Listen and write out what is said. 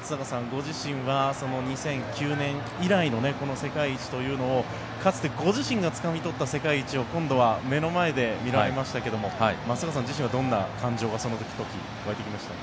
ご自身は２００９年以来のこの世界一というのをかつてご自身がつかみ取った世界一を今度は目の前で見られましたけども松坂さん自身はどんな感情がその時湧いてきましたか。